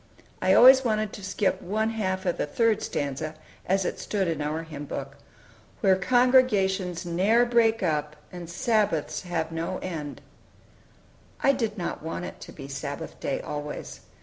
I always wanted to skip one half of the third stanza, as it stood in our Hymn Book: "Where congregations ne'er break up, And Sabbaths have no end." I did not want it to be Sabbath day always.